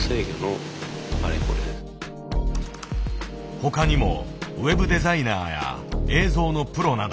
他にもウェブデザイナーや映像のプロなど。